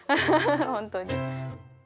本当に。